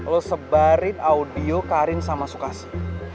lo sebarin audio karin sama sukasi